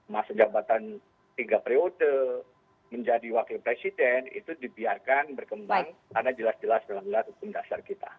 masa jabatan tiga periode menjadi wakil presiden itu dibiarkan berkembang karena jelas jelas dalam jelas hukum dasar kita